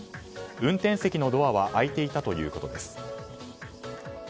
運転席のドアは開いていたということです。